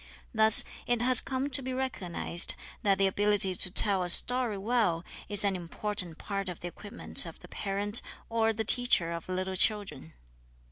Thus it has come to be recognized that the ability to tell a story well is an important part of the equipment of the parent or the teacher of little children.